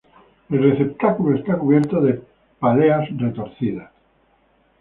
El receptáculo está cubierto de páleas retorcidas.